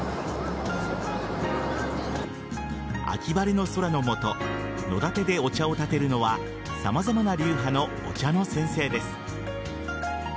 秋晴れの空の下野だてでお茶をたてるのは様々な流派のお茶の先生です。